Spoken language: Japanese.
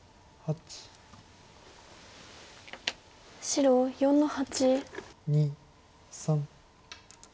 白４の八。